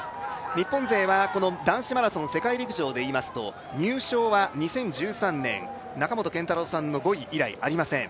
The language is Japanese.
日本勢は男子マラソン世界陸上でいいますと入賞は２０１３年、中本健太郎さんの５位以外、ありません。